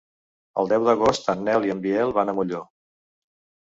El deu d'agost en Nel i en Biel van a Molló.